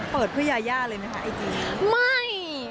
เปิดเพื่อยาย่าเลยมั้ยคะไอจี